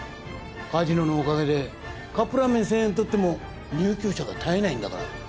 カジノのおかげでカップラーメン１０００円取っても入居者が絶えないんだから。